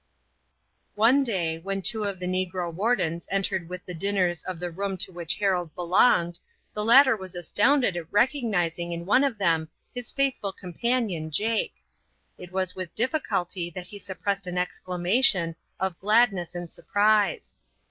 One day when two of the negro wardens entered with, the dinners of the room to which Harold belonged, the latter was astounded at recognizing in one of them his faithful companion Jake. It was with difficulty that he suppressed an exclamation of gladness and surprise.